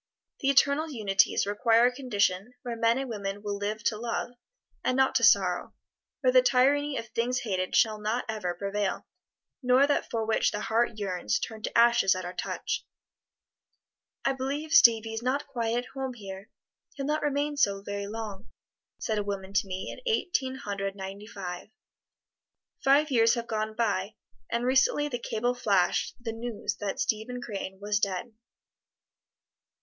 The Eternal Unities require a condition where men and women will live to love, and not to sorrow; where the tyranny of things hated shall not ever prevail, nor that for which the heart yearns turn to ashes at our touch. "I believe Stevie is not quite at home here he'll not remain so very long," said a woman to me in Eighteen Hundred Ninety five. Five years have gone by, and recently the cable flashed the news that Stephen Crane was dead.